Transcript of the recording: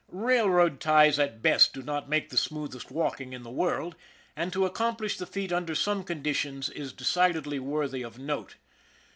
Railroad ties, at best, do not make the smoothest walking in the world, and to accomplish the feat under some conditions is decidedly worthy of note.